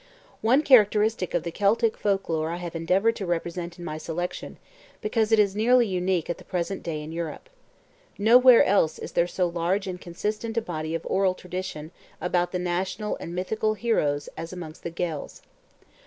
One characteristic of the Celtic folk lore I have endeavoured to represent in my selection, because it is nearly unique at the present day in Europe. Nowhere else is there so large and consistent a body of oral tradition about the national and mythical heroes as amongst the Gaels.